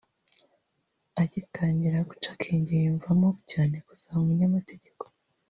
Agitangira guca akenge yiyumvagamo cyane kuzaba umunyamategeko